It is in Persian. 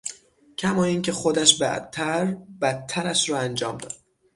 کما این که خودش بعدتر بدترش را انجام داد